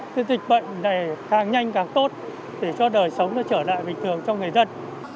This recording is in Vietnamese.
cái dịch bệnh này càng nhanh càng tốt để cho đời sống nó trở lại bình thường cho người dân